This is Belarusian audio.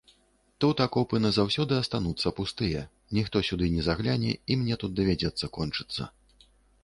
Тут акопы назаўсёды астануцца пустыя, ніхто сюды не загляне, і мне тут давядзецца кончыцца.